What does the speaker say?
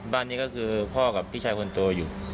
บ้านนี้ก็คือพ่อกับพี่ชายคนโตอยู่